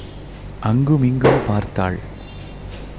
அங்கு மிங்கும் பார்த்தாள்.